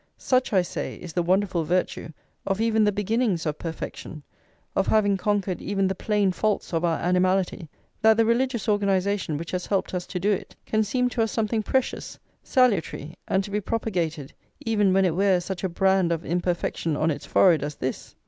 Such, I say, is the wonderful virtue of even the beginnings of perfection, of having conquered even the plain faults of our animality, that the religious organisation which has helped us to do it can seem to us something precious, salutary, and to be propagated, even when it wears such a brand of imperfection on its forehead as this.